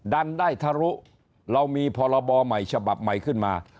ดันได้ทะลุเรามีพรบใหม่ฉบับใหม่ขึ้นมา